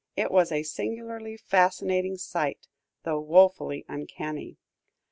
It was a singularly fascinating sight, though wofully uncanny.